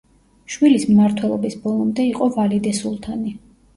შვილის მმართველობის ბოლომდე იყო ვალიდე სულთანი.